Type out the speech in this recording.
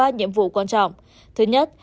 ba nhiệm vụ quan trọng thứ nhất